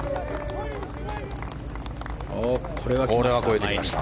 これは越えてきました。